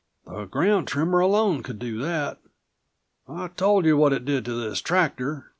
The ground tremor alone could do that. I told you what it did to this tractor.